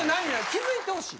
気付いてほしい？